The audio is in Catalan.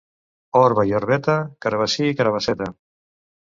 Orba i Orbeta, carabassí i carabasseta.